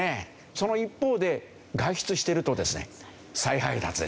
その一方で外出してるとですね再配達。